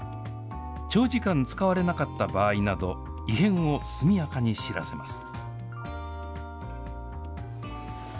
長時間使われなかった場合など、異変を速やかに知らせます。